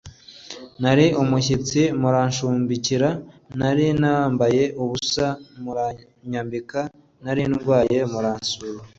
nari umushyitsi muranshumbikira, nari nambaye ubusa muranyambika nari ndwaye muransura,